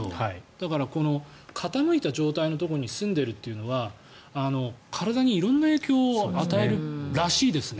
だから、傾いた状態のところに住んでるというのは体に色んな影響を与えるらしいですね。